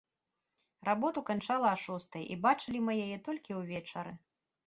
Работу канчала а шостай, і бачылі мы яе толькі ўвечары.